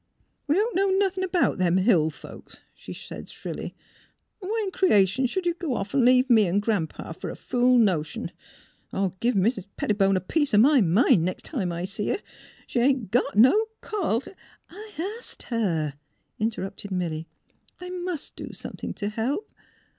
"' We don't know nothin' 'bout them Hill folks," she said, shrilly. " An' why in creation should you go off an' leave me and Gran 'pa, fer a fool notion ? I '11 give Mis ' Pettibone a piece o ' my mind nex' time I see her. She ain't got no call t' "'' I asked her," interrupted Milly. ^' I must do something to help.